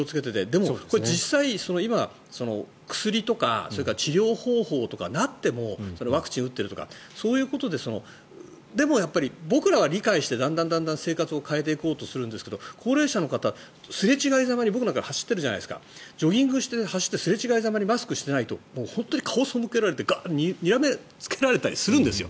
でも実際、今、薬とかそれから治療方法とかワクチンを打ってるとかそういうことででも、僕らは理解してだんだん生活を変えていこうとするんですが高齢者の方、すれ違いざまに僕なんかはジョギングして、走ってすれ違いざまにマスクをしてないと本当に顔を背けられてにらまれたりするんです。